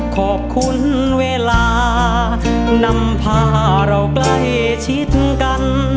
ขอบคุณเวลานำพาเราใกล้ชิดกัน